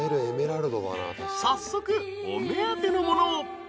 ［早速お目当てのものを］